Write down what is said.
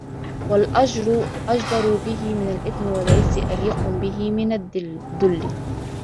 وَالْأَجْرُ أَجْدَرُ بِهِ مِنْ الْإِثْمِ وَالْعِزُّ أَلْيَقُ بِهِ مِنْ الذُّلِّ